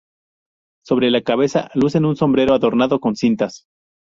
Sobre la cabeza, lucen un sombrero adornado con cintas.